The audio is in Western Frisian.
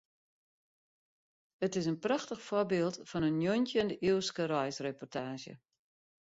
It is in prachtich foarbyld fan in njoggentjinde-iuwske reisreportaazje.